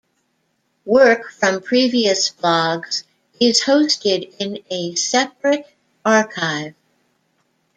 Work from previous blogs is hosted in a separate archive.